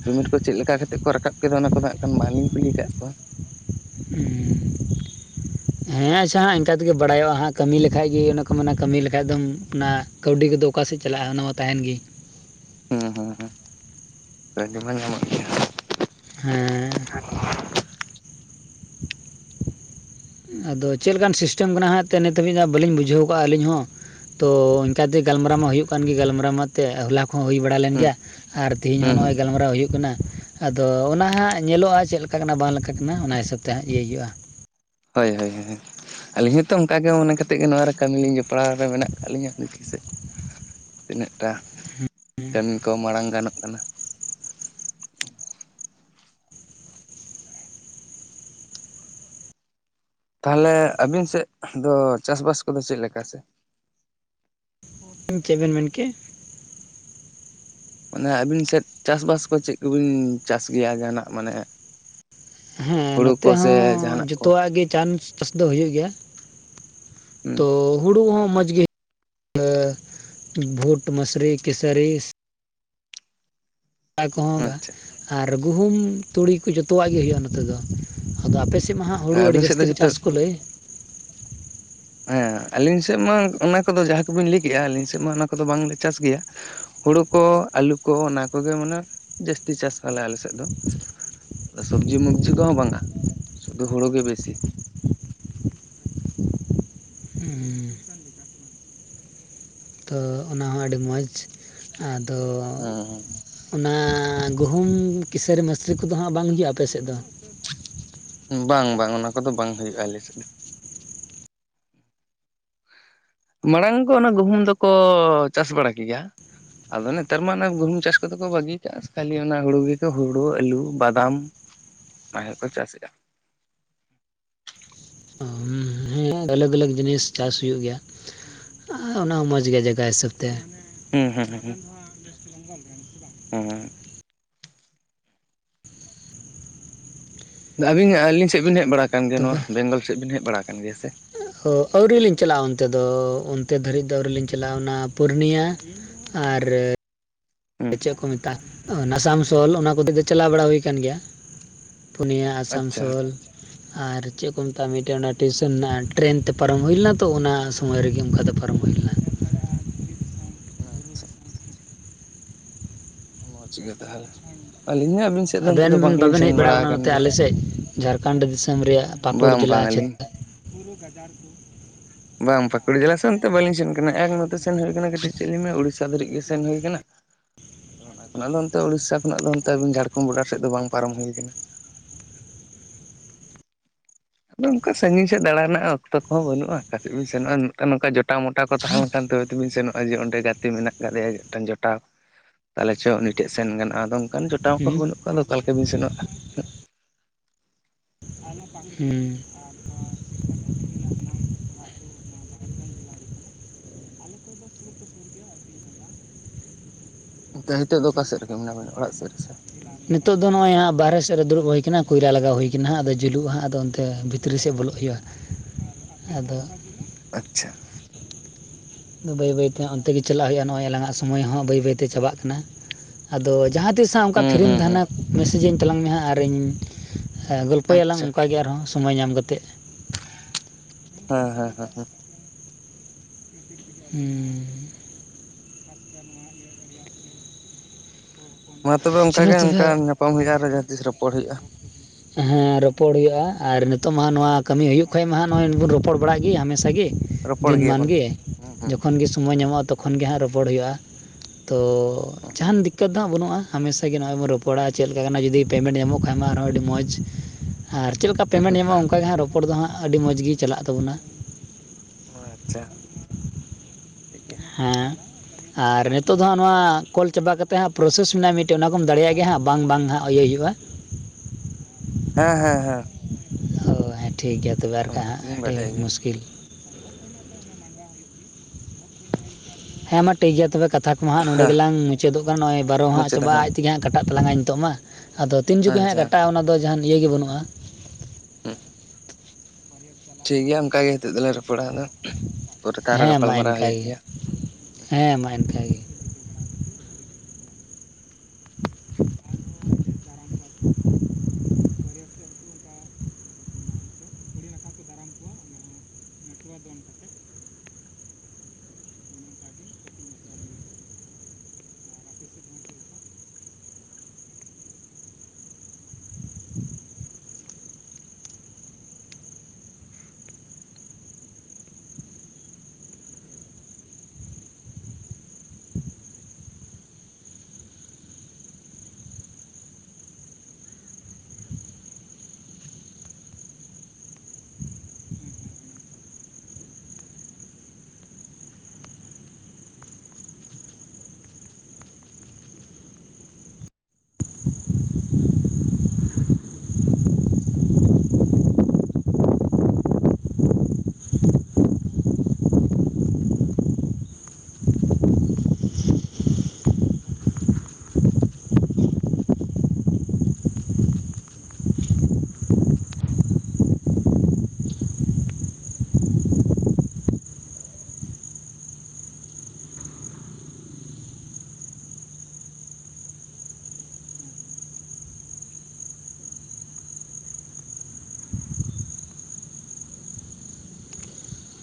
ᱯᱮᱢᱮᱱᱴ ᱠᱚ ᱪᱮᱫ ᱞᱮᱠᱟ ᱠᱟᱛᱮᱫ ᱠᱚ ᱨᱟᱠᱟᱵ ᱠᱮᱫᱟ ᱚᱱᱟ ᱠᱚᱫᱚ ᱦᱟᱸᱜ ᱠᱷᱟᱱ ᱵᱟᱝ ᱞᱤᱧ ᱠᱩᱞᱤ ᱟᱠᱟᱫ ᱠᱚᱣᱟ ᱾ ᱦᱮᱸ ᱟᱪᱪᱷᱟ ᱦᱟᱸᱜ ᱤᱱᱠᱟ ᱛᱮᱜᱮ ᱵᱟᱲᱟᱭᱚᱜᱼᱟ ᱦᱟᱸᱜ ᱠᱟᱹᱢᱤ ᱞᱮᱠᱷᱟᱡ ᱜᱮ ᱚᱱᱟ ᱠᱚ ᱢᱮᱱᱟ ᱠᱟᱹᱢᱤ ᱞᱮᱠᱷᱟᱡ ᱫᱚᱢ ᱚᱱᱟ ᱠᱟᱹᱣᱰᱤ ᱠᱚᱫᱚ ᱚᱠᱟ ᱥᱮᱫ ᱪᱟᱞᱟᱜᱼᱟ, ᱚᱱᱟ ᱢᱟ ᱛᱟᱦᱮᱱ ᱜᱮ ᱾ ᱦᱩᱸ ᱦᱩᱸ ᱦᱩᱸ ᱠᱟᱹᱣᱰᱤ ᱢᱟ ᱧᱟᱢᱚᱜ ᱜᱮ ᱦᱮᱸᱻ ᱟᱫᱚ ᱪᱮᱫ ᱞᱮᱠᱟᱱ ᱥᱤᱥᱴᱮᱢ ᱠᱟᱱᱟ ᱦᱟᱸᱜ ᱛᱚ ᱱᱤᱛ ᱦᱟᱹᱵᱤᱡ ᱵᱟᱹᱞᱤᱧ ᱵᱩᱡᱷᱟᱹᱣ ᱠᱟᱜᱼᱟ ᱟᱹᱞᱤᱧ ᱦᱚᱸ ᱾ ᱛᱚ ᱤᱱᱠᱟ ᱛᱮ ᱜᱟᱞᱢᱟᱨᱟᱣ ᱢᱟ ᱦᱩᱭᱩᱜ ᱠᱟᱱ ᱜᱮ ᱜᱟᱞᱢᱟᱨᱟᱣ ᱢᱟ ᱛᱮᱫ ᱦᱚᱞᱟ ᱦᱚ ᱦᱩᱭ ᱵᱟᱲᱟ ᱞᱮᱱ ᱦᱩᱸ ᱜᱮᱭᱟ ᱟᱨ ᱛᱤᱦᱤᱧ ᱦᱚᱸ ᱦᱩᱸ ᱦᱩᱸ ᱱᱚᱜᱼᱚᱭ ᱜᱟᱞᱢᱟᱨᱟᱣ ᱦᱩᱭᱩᱜ ᱠᱟᱱᱟ᱾ ᱟᱫᱚ ᱚᱱᱟ ᱦᱟᱸᱜ ᱧᱮᱞᱚᱜᱼᱟ ᱪᱮᱫ ᱞᱮᱠᱟ ᱠᱟᱱᱟ ᱵᱟᱝ ᱞᱮᱠᱟ ᱠᱟᱱᱟ ᱚᱱᱟ ᱦᱤᱥᱟᱹᱵ ᱛᱮ ᱦᱟᱸᱜ ᱤᱭᱟᱹ ᱦᱩᱭᱩᱜᱼᱟ ᱦᱳᱭ ᱦᱳᱭ ᱦᱳᱭ ᱟᱹᱞᱤᱧ ᱦᱚᱸᱛᱚ ᱚᱱᱠᱟ ᱜᱮ ᱢᱚᱱᱮ ᱠᱟᱛᱮ ᱜᱮ ᱱᱚᱣᱟ ᱨᱮ ᱠᱟᱹᱢᱤ ᱞᱤᱧ ᱡᱚ ᱯᱟᱲᱟᱣ ᱨᱮ ᱢᱮᱱᱟᱜ ᱟᱠᱟᱫ ᱞᱤᱧᱟᱹ ᱵᱷᱤᱛᱤᱨ ᱥᱮᱫ ᱛᱤᱱᱟᱹᱜ ᱴᱟ ᱠᱟᱹᱢᱤ ᱠᱚ ᱢᱟᱲᱟᱝ ᱜᱟᱱᱚᱜ ᱠᱟᱱᱟ ᱛᱟᱦᱚᱞᱮ ᱟᱵᱤᱱ ᱥᱮᱫ ᱫᱚ ᱪᱟᱥᱵᱟᱥ ᱠᱚᱫᱚ ᱪᱮᱫ ᱞᱮᱠᱟ ᱥᱮ? ᱪᱮᱫ ᱵᱮᱱ ᱢᱮᱱ ᱠᱮᱜᱼᱟ? ᱢᱟᱱᱮ ᱟᱹᱵᱤᱱ ᱥᱮᱫ ᱪᱟᱥᱵᱟᱥ ᱠᱚ ᱪᱮᱫ ᱠᱚᱵᱤᱱ ᱪᱟᱥ ᱜᱮᱭᱟ? ᱡᱟᱦᱱᱟᱜ ᱢᱟᱱᱮ ᱦᱮᱸ ᱦᱩᱲᱩ ᱱᱚᱛᱮ ᱠᱚ ᱦᱚᱸ ᱥᱮ ᱡᱟᱦᱟᱱᱟᱜ ᱠᱚ? ᱡᱚᱛᱚᱣᱟᱜ ᱜᱮ ᱪᱟᱱᱥ ᱪᱟᱥ ᱫᱚ ᱦᱩᱭᱩᱜ ᱜᱮᱭᱟ ᱾ ᱛᱚ ᱦᱩᱸ ᱦᱩᱲᱩ ᱦᱚᱸ ᱢᱚᱸᱡᱽ ᱜᱮ <unintelligible> ᱵᱷᱩᱴ ᱢᱟᱹᱥᱨᱤ ᱠᱤᱥᱟᱹᱨᱤ ᱾ <unintelligible> ᱟᱪᱪᱷᱟ ᱟᱨ ᱜᱩᱦᱩᱢ ᱛᱩᱲᱤ ᱠᱚ ᱡᱚᱛᱚᱣᱟᱜ ᱜᱮ ᱦᱩᱭᱩᱜᱼᱟ ᱱᱚᱛᱮ ᱫᱚ ᱾ ᱟᱫᱚ ᱟᱯᱮ ᱥᱮᱫ ᱢᱟ ᱦᱟᱸᱜ ᱦᱩᱲᱩ ᱟᱹᱵᱤᱱ ᱟᱹᱰᱤ ᱥᱮᱫ ᱡᱟᱹᱥᱛᱤ ᱫᱚ ᱠᱚ ᱡᱚᱛᱚ ᱪᱟᱥ ᱠᱚ ᱞᱟᱹᱭ ᱾ ᱦᱮᱸ ᱟᱹᱞᱤᱧ ᱥᱮᱫ ᱢᱟ ᱚᱱᱟ ᱠᱚᱫᱚ ᱡᱟᱦᱟᱸ ᱠᱚᱵᱤᱱ ᱞᱟᱹᱭ ᱠᱮᱜᱼᱟ ᱟᱹᱞᱤᱧ ᱥᱮᱫ ᱢᱟ ᱚᱱᱟ ᱠᱚᱫᱚ ᱵᱟᱝᱞᱮ ᱪᱟᱥ ᱜᱮᱭᱟ ᱾ ᱦᱩᱲᱩ ᱠᱚ ᱟᱹᱞᱩ ᱠᱚ ᱚᱱᱟ ᱠᱚᱜᱮ ᱢᱟᱱᱮ ᱡᱟᱹᱥᱛᱤ ᱪᱟᱥ ᱟᱞᱮ ᱟᱞᱮ ᱥᱮᱫ ᱫᱚ ᱾ <unintelligible> ᱥᱚᱵᱽᱡᱤ ᱢᱚᱵᱡᱤ ᱠᱚᱦᱚᱸ ᱵᱟᱝᱟ ᱥᱩᱫᱷᱩ ᱦᱩᱲᱩ ᱜᱮ ᱵᱮᱥᱤ ᱾ ᱦᱩᱸᱻ ᱛᱚ ᱚᱱᱟᱦᱚᱸ ᱟᱹᱰᱤ ᱢᱚᱡᱽ ᱾ ᱟᱫᱚᱻ ᱚᱱᱟ ᱜᱩᱦᱩᱢ, ᱠᱤᱥᱟᱹᱨᱤ, ᱢᱟᱹᱥᱨᱤ ᱠᱚᱫᱚ ᱦᱟᱸᱜ ᱵᱟᱝ ᱦᱩᱭᱩᱜᱼᱟ ᱟᱯᱮ ᱥᱮᱫ ᱫᱚ? ᱵᱟᱝ ᱵᱟᱝ ᱚᱱᱟ ᱠᱚᱫᱚ ᱵᱟᱝ ᱦᱩᱭᱩᱜ ᱟᱞᱮᱥᱮᱫ ᱫᱚ ᱾ ᱢᱟᱲᱟᱝ ᱠᱚ ᱚᱱᱟ ᱜᱩᱦᱩᱢ ᱫᱚᱠᱚ ᱪᱟᱥ ᱵᱟᱲᱟ ᱠᱮ ᱜᱮᱭᱟ ᱾ ᱟᱫᱚ ᱱᱮᱛᱟᱨ ᱢᱟ ᱚᱱᱟ ᱜᱩᱦᱩᱢ ᱪᱟᱥ ᱠᱚᱫᱚ ᱠᱚ ᱵᱟᱹᱜᱤᱭ ᱠᱟᱜᱼᱟ ᱾ ᱠᱷᱟᱹᱞᱤ ᱚᱱᱟ ᱦᱩᱲᱩ ᱜᱮᱠᱚ ᱦᱩᱲᱩ, ᱟᱹᱞᱩ, ᱵᱟᱫᱟᱢ ᱚᱱᱟ ᱜᱮᱠᱚ ᱪᱟᱥᱮᱫᱼᱟ ᱾ <unintelligible> ᱦᱮᱸ ᱟᱞᱟᱜ ᱟᱞᱟᱜ ᱡᱤᱱᱤᱥ ᱪᱟᱥ ᱦᱩᱭᱩᱜ ᱜᱮᱭᱟ ᱾ ᱚᱱᱟ ᱦᱚᱸ ᱢᱚᱡᱽ ᱜᱮᱭᱟ ᱡᱟᱭᱜᱟ ᱦᱤᱥᱟᱹᱵ ᱛᱮ᱾ ᱦᱩᱸ ᱦᱩᱸ ᱦᱩᱸ ᱳᱭᱮᱥᱴ ᱵᱮᱝᱜᱚᱞ ᱨᱮᱱ ᱥᱮ ᱵᱟᱝ <unintelligible> ᱦᱮᱸ ᱟᱹᱵᱤᱱ ᱟᱹᱞᱤᱧ ᱥᱮᱫ ᱵᱤᱱ ᱦᱮᱡ ᱵᱟᱲᱟ ᱠᱟᱱ ᱜᱮᱭᱟ ᱱᱚᱣᱟ ᱵᱮᱝᱜᱚᱞ ᱥᱮᱫ ᱵᱮᱱ ᱦᱮᱡ ᱵᱟᱲᱟ ᱟᱠ ᱜᱮᱭᱟ ᱥᱮ? ᱚ ᱟᱹᱣᱨᱨᱤ ᱞᱤᱧ ᱪᱟᱞᱟᱜᱼᱟ ᱚᱱᱛᱮ ᱫᱚ ᱚᱱᱛᱮ ᱫᱷᱟᱹᱨᱤᱡ ᱫᱚ ᱟᱹᱣᱨᱤ ᱞᱤᱧ ᱪᱟᱞᱟᱜᱼᱟ ᱚᱱᱟ ᱯᱩᱨᱩᱱᱤᱭᱟ ᱾ ᱟᱨ ᱦᱩᱸ ᱪᱮᱫ ᱠᱚ ᱢᱮᱛᱟᱜ ᱟᱥᱟᱱᱥᱳᱞ ᱚᱱᱟ ᱠᱚᱨᱮ ᱫᱚ ᱪᱟᱞᱟᱣ ᱵᱟᱲᱟ ᱦᱩᱭ ᱠᱟᱱ ᱜᱮᱭᱟ ᱯᱩᱱᱭᱟ ᱾ ᱟᱪᱪᱷᱟ ᱟᱥᱟᱱᱥᱳᱞ ᱟᱨ ᱪᱮᱫ ᱠᱚ ᱢᱮᱛᱟᱜᱼᱟ ᱢᱤᱫᱴᱮᱱ ᱴᱮᱥᱚᱱ ᱦᱮᱱᱟᱜᱼᱟ ᱴᱨᱮᱹᱱ ᱛᱮ ᱯᱟᱨᱚᱢ ᱦᱩᱭ ᱞᱮᱱᱟ ᱛᱚ ᱚᱱᱟ ᱥᱳᱢᱳᱭ ᱨᱮᱜᱮ ᱚᱱᱠᱟ ᱛᱮ ᱯᱟᱨᱚᱢ ᱦᱩᱭ ᱞᱮᱱᱟ ᱾ ᱟᱪᱪᱷᱟ ᱢᱚᱡᱽ ᱜᱮ ᱛᱟᱦᱚᱞᱮ ᱟᱹᱞᱤᱧ ᱦᱚᱸ ᱟᱹᱵᱤᱱ ᱥᱮᱫ ᱫᱚ ᱚᱱᱛᱮ ᱫᱚ ᱵᱟᱝ ᱟᱵᱮᱱ ᱞᱤᱧ ᱵᱟᱵᱮᱱ ᱦᱮᱡ ᱥᱮᱱ ᱵᱟᱲᱟ ᱟᱠᱟᱱᱟ ᱟᱠᱟᱱ ᱱᱚᱛᱮ ᱟᱞᱮ ᱜᱮᱭᱟ ᱥᱮᱫ ᱡᱷᱟᱲᱠᱷᱚᱸᱰ ᱾ ᱵᱟᱝ ᱵᱟᱝ ᱟᱹᱞᱤᱧ <unintelligible> ᱵᱩᱨᱩ ᱜᱟᱡᱟᱲ ᱠᱚ ᱵᱟᱝ ᱯᱟᱠᱩᱲ ᱡᱮᱞᱟ ᱥᱮ ᱚᱱᱛᱮ ᱵᱟᱞᱤᱧ ᱥᱮᱱ ᱠᱟᱱᱟ ᱮᱠ ᱱᱚᱛᱮ ᱥᱮᱱ ᱦᱩᱭ ᱠᱟᱱᱟ ᱠᱟᱹᱴᱤᱡ ᱪᱮᱫ ᱞᱤᱧ ᱢᱮᱱᱟ ᱩᱲᱤᱥᱥᱟ ᱫᱷᱟᱹᱨᱤᱡ ᱜᱮ ᱥᱮᱱ ᱦᱩᱭ ᱠᱟᱱᱟ ᱾ ᱟᱫᱚ ᱚᱱᱟ ᱠᱷᱚᱱᱟᱜ ᱫᱚ ᱚᱱᱛᱮ ᱩᱲᱤᱥᱥᱟ ᱚᱱᱟ ᱠᱷᱚᱱᱟᱜ ᱫᱚ ᱚᱱᱛᱮ ᱟᱵᱤᱱ ᱡᱷᱟᱲᱠᱷᱚᱸᱰ ᱵᱚᱰᱟᱨ ᱥᱮᱫ ᱫᱚ ᱵᱟᱝ ᱯᱟᱨᱚᱢ ᱦᱩᱭ ᱠᱟᱱᱟ ᱾ ᱱᱝᱠᱟ ᱥᱟᱺᱜᱤᱧ ᱥᱮᱫ ᱫᱟᱬᱟ ᱨᱮᱱᱟᱜ ᱚᱠᱛᱚ ᱠᱚᱦᱚᱸ ᱵᱟᱹᱱᱩᱜᱼᱟ ᱚᱠᱟ ᱥᱮᱫ ᱵᱤᱱ ᱥᱮᱱᱚᱜᱼᱟ <unintelligible> ᱱᱚᱝᱠᱟ ᱡᱚᱴᱟᱣ ᱢᱚᱴᱟᱣ ᱠᱚ ᱛᱟᱦᱮᱸᱱ ᱞᱮᱱᱠᱷᱟᱱ ᱛᱚᱵᱮ ᱛᱵᱮᱤᱱ ᱥᱮᱱᱚᱜᱼᱟ ᱡᱮ ᱚᱸᱰᱮ ᱜᱟᱛᱮ ᱢᱮᱱᱟᱜ ᱟᱠᱟᱫᱮᱭᱟ ᱢᱤᱫᱴᱟᱝ ᱡᱚᱴᱟᱣ ᱛᱟᱦᱚᱞᱮ ᱪᱚ ᱩᱱᱤ ᱴᱷᱮᱱ ᱥᱮᱱ ᱜᱟᱱᱚᱜᱼᱟ ᱟᱫᱚ ᱚᱱᱠᱟᱱ ᱡᱚᱴᱟᱣ ᱦᱩᱸ ᱠᱚᱦᱚᱸ ᱵᱟᱹᱱᱩᱜ ᱠᱚᱣᱟ ᱟᱫᱚ ᱚᱠᱟ ᱞᱮᱠᱟ ᱵᱤᱱ ᱥᱮᱱᱚᱜᱼᱟ ᱦᱩᱸ ᱟᱫᱚ ᱦᱤᱛᱳᱜ ᱫᱚ ᱚᱠᱟ ᱥᱮᱫ ᱨᱮᱜᱮ ᱢᱮᱱᱟᱜ ᱵᱮᱱᱟ ᱚᱲᱟᱜ ᱥᱮᱫ ᱨᱮᱥᱮ ᱱᱤᱛᱚᱜ ᱫᱚ ᱱᱚᱜᱼᱚᱭ ᱦᱟᱸᱜ ᱵᱟᱦᱨᱮ ᱥᱮᱫ ᱨᱮ ᱫᱩᱲᱩᱵ ᱦᱩᱭ ᱠᱟᱱᱟ ᱠᱚᱭᱞᱟ ᱞᱟᱜᱟᱣ ᱦᱩᱭ ᱠᱟᱱᱟ ᱦᱟᱸᱜ ᱟᱫᱚ ᱡᱩᱞᱩᱜᱼᱟ ᱦᱟᱸᱜ ᱟᱫᱚ ᱚᱱᱛᱮ ᱵᱷᱤᱛᱨᱤ ᱥᱮᱫ ᱵᱚᱞᱚᱜ ᱦᱩᱭᱩᱜᱼᱟ <inaudible> ᱟᱫᱚ ᱟᱪᱪᱷᱟ ᱟᱫᱚ ᱵᱟᱹᱭ ᱵᱟᱹᱭ ᱛᱮ ᱚᱱᱛᱮ ᱜᱮ ᱪᱟᱞᱟᱜ ᱦᱩᱭᱩᱜᱼᱟ ᱱᱚᱜᱼᱚᱭ ᱟᱞᱟᱝ-ᱟᱜ ᱥᱚᱢᱚᱭ ᱦᱚᱸ ᱵᱟᱹᱭ ᱵᱟᱹᱭᱛᱮ ᱪᱟᱵᱟᱜ ᱠᱟᱱᱟ ᱟᱫᱚ ᱡᱟᱦᱟᱸ ᱛᱤᱥ ᱦᱟᱸᱜ ᱚᱱᱠᱟ ᱦᱩᱸ ᱯᱷᱨᱤᱢ ᱦᱩᱸ ᱛᱟᱦᱮᱱᱟ ᱦᱩᱸ ᱢᱮᱥᱮᱡ ᱤᱧ ᱛᱟᱞᱟᱝ ᱢᱮ ᱦᱟᱸᱜ ᱟᱨ ᱤᱧ ᱦᱮᱸ ᱜᱚᱞᱯᱚᱭᱟᱞᱟᱝ ᱟᱪᱪᱷᱟ ᱚᱱᱠᱟ ᱜᱮ ᱟᱨᱦᱚᱸ ᱥᱚᱢᱚᱭ ᱧᱟᱢ ᱠᱟᱛᱮᱫ ᱦᱮᱸ ᱦᱮᱸ ᱦᱮᱸ ᱦᱮᱸ ᱦᱩᱸ <unintelligible> ᱱᱚᱣᱟ ᱤᱭᱟᱹ ᱨᱮᱭᱟᱜ ᱜᱮ ᱢᱟ ᱛᱚᱵᱮ ᱚᱱᱠᱟ ᱜᱮ ᱚᱱᱠᱟ ᱧᱟᱯᱟᱢ ᱦᱩᱭᱩᱜᱼᱟ ᱟᱨᱦᱚ ᱡᱟᱦᱟᱸ ᱛᱤᱥ ᱨᱚᱯᱚᱲ ᱦᱩᱭᱩᱜᱼᱟ ᱦᱮᱸ ᱨᱚᱯᱚᱲ ᱦᱩᱭᱩᱜᱼᱟ ᱟᱨ ᱱᱤᱛᱚᱜ ᱢᱟ ᱱᱚᱣᱟ ᱠᱟᱹᱢᱤ ᱦᱩᱭᱩᱜ ᱠᱷᱟᱢ ᱢᱟ ᱦᱟᱜ ᱱᱚᱜᱼᱚᱭ ᱵᱚᱱ ᱨᱚᱯᱚᱲ ᱵᱟᱲᱟᱜ ᱜᱮ ᱦᱟᱢᱮᱥᱟ ᱜᱮ ᱨᱚᱯᱚᱲ ᱫᱤᱱ ᱜᱮᱭᱟᱵᱚᱱ ᱢᱟᱱᱜᱮ ᱦᱩᱸ ᱦᱩᱸ ᱡᱚᱠᱷᱚᱱ ᱜᱮ ᱥᱚᱢᱚᱭ ᱧᱟᱢᱚᱜᱼᱟ ᱛᱚᱠᱷᱚᱱ ᱜᱮ ᱦᱟᱸᱜ ᱨᱚᱯᱚᱲ ᱦᱩᱭᱩᱜᱼᱟ ᱛᱚ ᱡᱟᱦᱟᱱ ᱫᱤᱠᱠᱟᱹᱛ ᱫᱚ ᱦᱟᱸᱜ ᱵᱟᱹᱱᱩᱜᱼᱟ ᱦᱟᱢᱮᱥᱟ ᱜᱮ ᱱᱚᱜᱼᱚᱭ ᱵᱚᱱ ᱨᱚᱯᱚᱲᱟ ᱪᱮᱫᱞᱮᱠᱟ ᱠᱟᱱᱟ ᱡᱩᱫᱤ ᱯᱮᱢᱮᱱᱴ ᱧᱟᱢᱚᱜ ᱠᱷᱟᱱ ᱢᱟ ᱟᱨᱦᱚᱸ ᱟᱰᱤ <unintelligible> ᱢᱚᱡᱽ ᱟᱨ ᱪᱮᱫ ᱞᱮᱠᱟ ᱯᱮᱢᱮᱱᱴ ᱦᱩᱸ ᱧᱟᱢᱚᱜᱼᱟ ᱚᱱᱠᱟᱜᱮ ᱦᱟᱸᱜ ᱨᱚᱯᱚᱲ ᱫᱚ ᱦᱟᱸᱜ ᱟᱹᱰᱤ ᱢᱚᱡᱽ ᱜᱮ ᱪᱟᱞᱟᱜ ᱛᱟᱵᱚᱱᱟ ᱚ ᱟᱪᱪᱷᱟ ᱴᱷᱤᱠ ᱜᱮᱭᱟ ᱦᱮᱸ ᱟᱨ ᱱᱤᱛᱚᱜ ᱫᱚ ᱦᱟᱸᱜ ᱱᱚᱣᱟ ᱠᱚᱞ ᱪᱟᱵᱟ ᱠᱟᱛᱮᱫ ᱦᱟᱸᱜ ᱯᱨᱚᱥᱮᱥ ᱢᱮᱱᱟᱜᱼᱟ ᱢᱤᱫᱴᱮᱱ ᱚᱱᱟ ᱠᱚᱢ ᱫᱟᱲᱮᱭᱟᱜ ᱜᱮᱭᱟ ᱦᱟᱸᱜ ᱵᱟᱝ ᱵᱟᱝ ᱦᱟᱸᱜ ᱤᱭᱟᱹ ᱦᱩᱭᱩᱜᱼᱟ ᱦᱮᱸ ᱦᱮᱸ ᱦᱮᱸ ᱚ ᱦᱮᱸ ᱴᱷᱤᱠ ᱜᱮᱭᱟ ᱛᱚᱵᱮ ᱚᱱᱟ ᱟᱨᱠᱷᱟᱡ ᱦᱟᱸᱜ ᱠᱚᱫᱚᱞᱤᱧ ᱟᱹᱰᱤ ᱵᱟᱰᱟᱭ ᱜᱮᱭᱟ ᱢᱩᱥᱠᱤᱞ ᱦᱮᱸ ᱢᱟ ᱴᱷᱤᱠ ᱜᱮᱭᱟ ᱛᱚᱵᱮ ᱠᱟᱛᱷᱟ ᱠᱚᱢᱟ ᱦᱟᱸᱜ ᱱᱚᱰᱮ ᱦᱮᱸ ᱜᱮᱞᱟᱝ ᱢᱩᱪᱫ ᱠᱟᱱᱟ ᱱᱚᱜᱼᱚᱭ ᱵᱟᱨᱚ ᱦᱟᱸᱜ ᱢᱩᱪᱟᱹᱫ ᱪᱟᱵᱟ ᱦᱮᱸ ᱟ <unintelligible> ᱛᱮᱜᱮ ᱦᱟᱸᱜ ᱠᱟᱴᱟᱜ ᱛᱞᱟᱝᱟ ᱱᱤᱛᱚᱜ ᱢᱟ ᱟᱫᱚ ᱛᱤᱱ ᱡᱚᱠᱷᱮ ᱦᱟᱸᱜ ᱟᱪᱪᱷᱟ ᱠᱟᱴᱟᱜᱼᱟ ᱚᱱᱟ ᱫᱚ ᱡᱟᱦᱟᱱ ᱤᱭᱟᱹ ᱜᱮ ᱵᱟᱹᱱᱩᱜᱼᱟ ᱩᱦᱩᱸ ᱴᱷᱤᱠ ᱜᱮᱭᱟ ᱚᱱᱠᱟ ᱜᱮ ᱦᱤᱛᱳᱜ ᱫᱚᱞᱟᱝ ᱨᱚᱯᱚᱲᱟ <unintelligible> ᱯᱚᱨᱮᱛᱮ ᱟᱨᱦᱚᱸ ᱦᱮᱸ ᱢᱟ ᱜᱟᱯᱟᱞᱢᱟᱨᱟᱣ ᱦᱩᱭᱩᱜ ᱤᱱᱠᱟᱹᱜᱮ ᱜᱮᱭᱟ ᱦᱮᱸ ᱢᱟ ᱮᱱᱠᱟ ᱜᱮ <inaudible>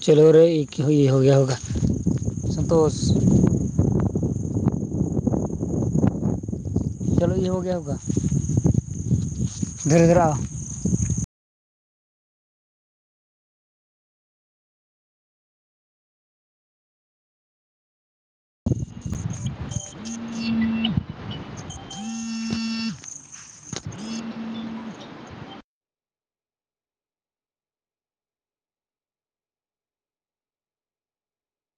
ᱪᱚᱞᱚ ᱨᱮ <unintelligible> ᱥᱚᱱᱛᱳᱥ ᱪᱚᱞᱚ <unintelligible>